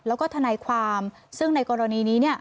แล้วก็ทนายความซึ่งในกรณีนี้เนี่ย